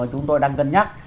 chúng tôi đang cân nhắc